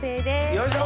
よいしょ！